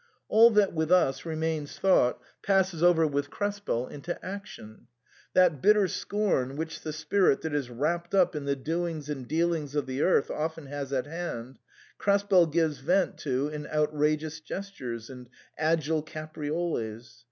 All that with us remains thought, passes over with Krespel into action. That bitter scorn which the spirit that is wrapped up in the doings and dealings of the earth often has at hand, Krespel gives vent to in outrageous gestures and agile caprioles.